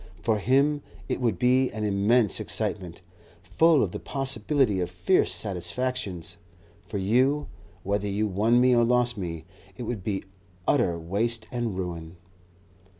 For him, it would be an immense excitement, full of the possibility of fierce satisfactions; for you, whether you won me or lost me, it would be utter waste and ruin."